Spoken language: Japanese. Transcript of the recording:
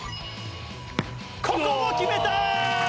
ここも決めた！